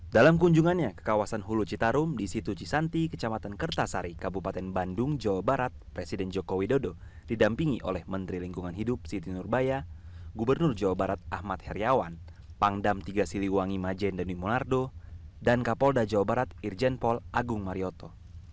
dalam kunjungannya ke kawasan hulu citarum di situ cisanti kecamatan kertasari kabupaten bandung jawa barat presiden joko widodo didampingi oleh menteri lingkungan hidup siti nurbaya gubernur jawa barat ahmad heriawan pangdam tiga siliwangi majendeni munardo dan kapolda jawa barat irjen pol agung marioto